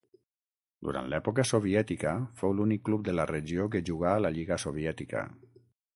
Durant l'època soviètica fou l'únic club de la regió que jugà a la lliga soviètica.